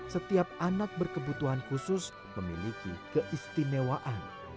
setiap anak berkebutuhan khusus memiliki keistimewaan